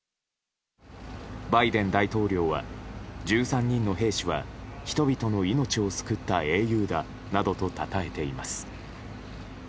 バイデン大統領は１３人の兵士は人々の命を救った英雄だなどとたたえています。